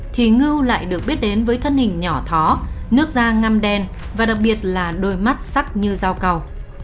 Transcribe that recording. thì ngư lại được biết đến với thân hình nhỏ thó nước da ngâm đen và đặc biệt là đôi mắt sắc như dao cầu